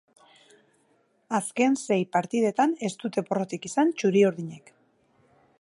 Azken sei partidetan ez dute porrotik izan txuri-urdinek.